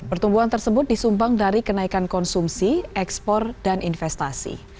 pertumbuhan tersebut disumbang dari kenaikan konsumsi ekspor dan investasi